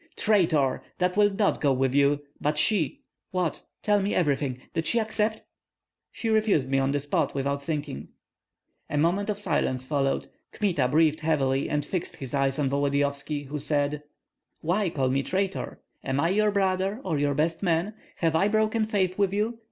"Traitor! that will not go with you! But she what tell me everything. Did she accept?" "She refused me on the spot, without thinking." A moment of silence followed. Kmita breathed heavily, and fixed his eyes on Volodyovski, who said, "Why call me traitor? Am I your brother or your best man? Have I broken faith with you?